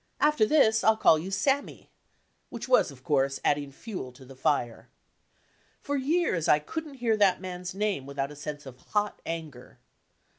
After this I'll call you 'Sammy,' " which was, of course, adding fuel to the fire. For years I couldn't hear that man's name without a '^'1 .,.„.,Google sense of hot anger.